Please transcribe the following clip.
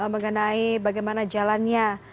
mengenai bagaimana jalannya